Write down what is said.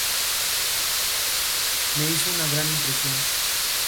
Me hizo una gran impresión.